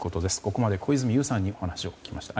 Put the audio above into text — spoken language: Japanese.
ここまで小泉悠さんにお話を聞きました。